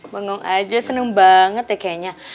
bingung aja seneng banget ya kayaknya